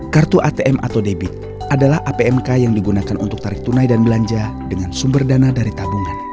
kartu atm atau debit adalah apmk yang digunakan untuk tarif tunai dan belanja dengan sumber dana dari tabungan